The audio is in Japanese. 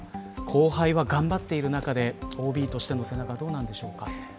後輩は、頑張っている中でＯＢとしての背中どうなんでしょうか。